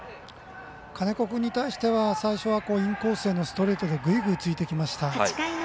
金子君に対しては最初はインコースのストレートでぐいぐい突いてきました。